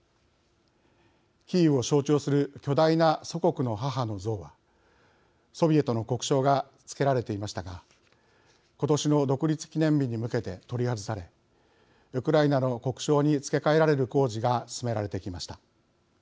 キーウを象徴する巨大な「祖国の母」の像はソビエトの国章がつけられていましたが今年の独立記念日に向けて取り外されウクライナの国章に付け替えられる工事が進められてきました。